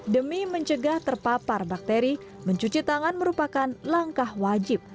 demi mencegah terpapar bakteri mencuci tangan merupakan langkah wajib